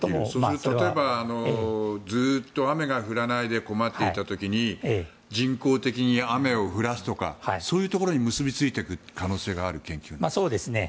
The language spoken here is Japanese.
例えば雨が降らないで困っていた時に人工的に雨を降らすとかそういうところに結びついていく可能性がある研究ですか。